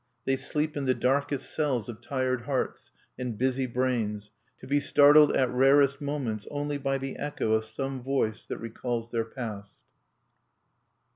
They sleep in the darkest cells of tired hearts and busy brains, to be startled at rarest moments only by the echo of some voice that recalls their past.